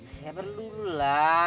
saya perlu dulu lah